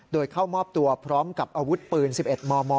โดยเข้ามอบตัวพร้อมกับอาวุธปืน๑๑มม